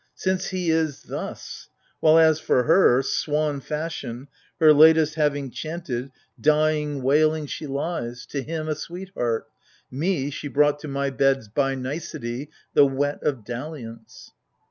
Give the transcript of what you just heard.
Since he is — thus ! While, as for her, — swan fashion, Her latest having chanted,— dying wailing 1 26 A GAME MNON. She lies,— to him, a sweetheart : me she brought to My bed's by nicety, the whet of daUiance.